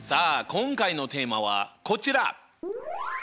今回のテーマはこちら！